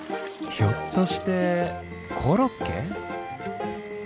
ひょっとしてコロッケ？